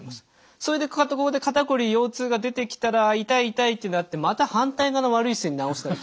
それで肩こり腰痛が出てきたら痛い痛いってなってまた反対側の悪い姿勢に直したり。